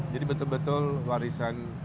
jadi betul betul warisan